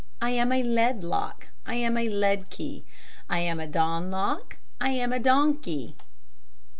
"I am a lead lock." "I am a lead key." "I am a don lock." "I am a don key!"